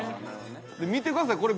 見てくださいこれ。